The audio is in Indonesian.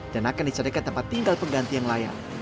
dan akan dicari ke tempat tinggal pengganti yang layak